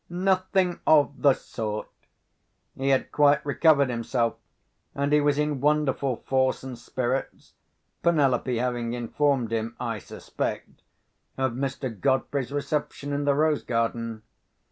Nothing of the sort! He had quite recovered himself, and he was in wonderful force and spirits, Penelope having informed him, I suspect, of Mr. Godfrey's reception in the rose garden.